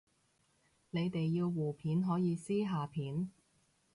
你哋要互片可以私下片